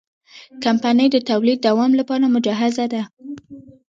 کمپنۍ د تولید دوام لپاره مجهزه ده.